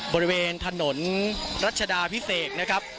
บริเวณถนนรัชดาพิเศษ